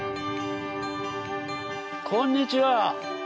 こんにちは。